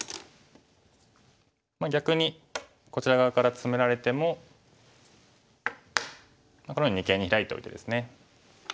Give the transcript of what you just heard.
逆にこちら側からツメられてもこのように二間にヒラいておいてですね。